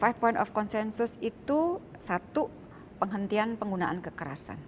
five points of consensus itu satu penghentian penggunaan kekerasan